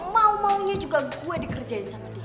mau maunya juga gue dikerjain sama dia